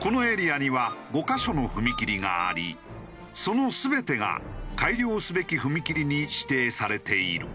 このエリアには５カ所の踏切がありその全てが「改良すべき踏切」に指定されている。